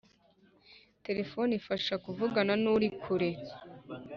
telephone ifasha kuvugana nurikure